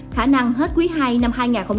khả năng hết quý hai năm hai nghìn hai mươi ba